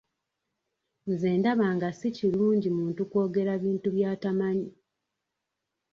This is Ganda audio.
Nze ndaba nga si kirungi muntu kwogera bintu by'atamanyi.